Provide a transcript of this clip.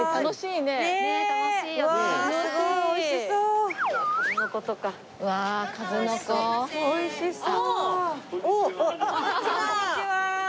ねっおいしそう。